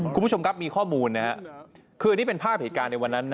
คุณผู้ชมครับมีข้อมูลนะครับคืออันนี้เป็นภาพเหตุการณ์ในวันนั้นนะ